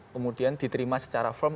kemudian diterima secara firm